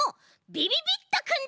びびびっとくん？